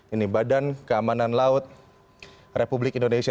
ini badan keamanan laut republik indonesia